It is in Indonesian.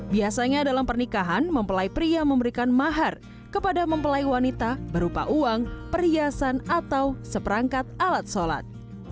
biasanya dalam pernikahan mempelai pria memberikan mahar kepada mempelai wanita berupa uang perhiasan atau seperangkat alat sholat